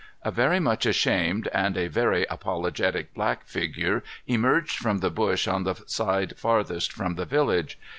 A very much ashamed, and a very apologetic black figure emerged from the bush on the side farthest from the village.